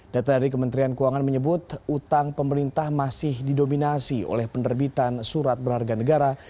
data dari kementerian keuangan menyebut utang pemerintah masih didominasi oleh penerbitan surat berharga negara